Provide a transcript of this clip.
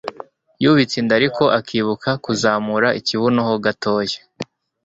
yubitse inda ariko akibuka kuzamura ikibuno ho gatoya